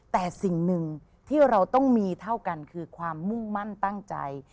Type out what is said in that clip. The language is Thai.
แต่สิ่งหนึ่งที่เราต้องมีเท่ากันคือความมุ่งมั่นตั้งใจ